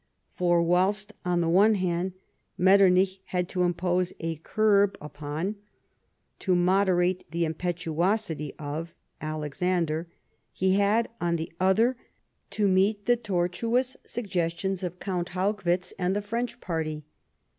For whilst, on the one hand, Metternich had to impose a curb upon, to moderate the impetuosity of, Alexander ; he had, on the other, to meet the tortuous suggestions of Count Haugwitz and the French party.